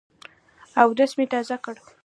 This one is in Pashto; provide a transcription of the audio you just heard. اودس مي تازه کړ .